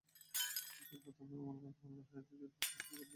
তো প্রথমে mall hijack করে তারপর কল কোরো।